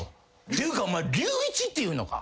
ていうかお前隆一っていうのか？